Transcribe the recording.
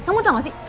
kamu tau gak sih